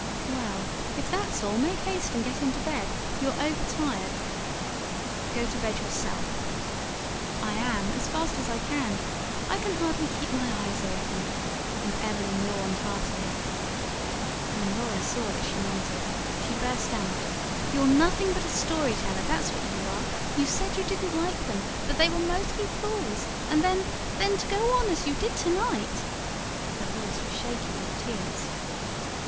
"Well, if that's all, make haste and get into bed. You're overtired." "Go to bed yourself!" "I am, as fast as I can. I can hardly keep my eyes open;" and Evelyn yawned heartily. When Laura saw that she meant it, she burst out: "You're nothing but a story teller that's what you are! You said you didn't like them ... that they were mostly fools ... and then ... then, to go on as you did to night." Her voice was shaky with tears.